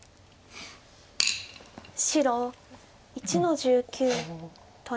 白１の十九取り。